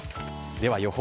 では、予報。